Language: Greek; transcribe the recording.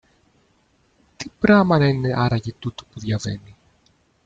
Τι πράμα να είναι άραγε τούτο που διαβαίνει;